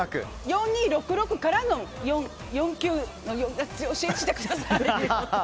４２６６からの４９信じてください。